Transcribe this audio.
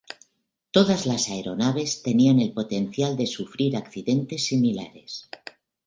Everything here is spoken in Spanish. Todas las aeronaves tenían el potencial de sufrir accidentes similares.